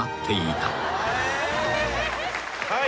はい。